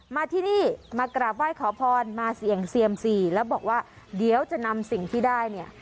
มาที่นี่มากราบไหว้ขอพรมาเสี่ยงเซียมสี่แล้วบอกว่าเดี๋ยวจะนำสิ่งที่ได้เนี่ย